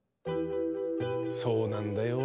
そうなんだよ。